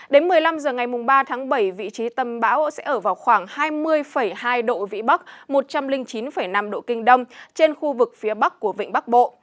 đến một mươi năm h ngày ba tháng bảy vị trí tâm bão sẽ ở vào khoảng hai mươi hai độ vĩ bắc một trăm linh chín năm độ kinh đông trên khu vực phía bắc của vịnh bắc bộ